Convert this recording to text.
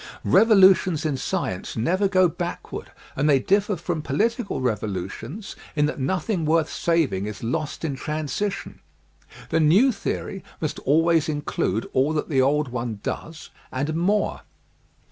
Revolu tions in science never go backward and they differ from political revolutions in that nothing worth saving is lost in transition. The new theory must always in clude all that the old one does and more.